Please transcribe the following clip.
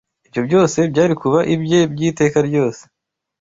ibyo byose byari kuba ibye by’iteka ryose